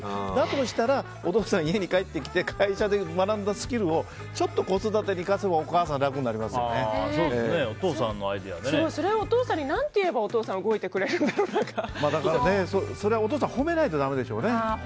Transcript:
としたらお父さんは家に帰ってきて会社で学んだスキルをちょっと子育てに生かせばそれをお父さんに何て言えばお父さんはお父さんを褒めないとだめでしょうね。